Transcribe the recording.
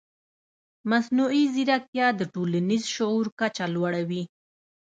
مصنوعي ځیرکتیا د ټولنیز شعور کچه لوړوي.